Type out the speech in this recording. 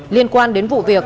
liên quan đến vụ việc